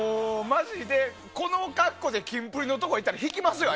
この格好でキンプリのところ行ったら引きますよ。